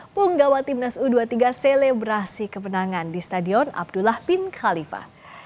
punggawa timnas u dua puluh tiga selebrasi kemenangan di stadion abdullah bin khalifah